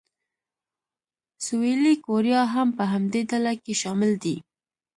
سویلي کوریا هم په همدې ډله کې شامل دی.